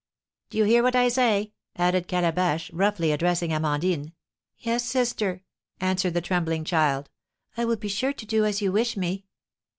Do you hear what I say?" added Calabash, roughly addressing Amandine. "Yes, sister," answered the trembling child; "I will be sure to do as you wish me."